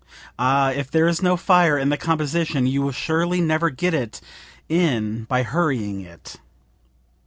Ah, if there is no fire in the composition you will surely never get it in by hurrying it."